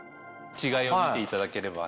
違いを見ていただければ。